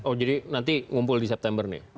oh jadi nanti ngumpul di september nih